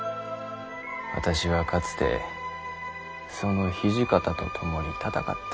私はかつてその土方と共に戦った。